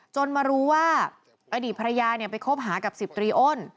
มารู้ว่าอดีตภรรยาไปคบหากับ๑๐ตรีอ้น